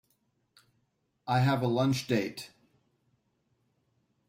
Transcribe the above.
I have a lunch date.